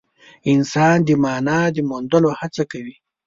انسان د مانا د موندلو هڅه کوي.